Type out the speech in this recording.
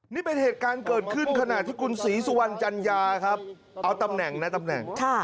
นี่เป็นเหตุการณ์เกิดขึ้นขณะที่คุณศรีสุวรรณจัญญาครับเอาตำแหน่งนะตำแหน่ง